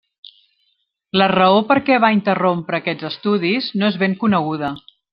La raó per què va interrompre aquests estudis no és ben coneguda.